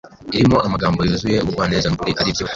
irimo amagambo yuzuye ubugwaneza n’ukuri ari byo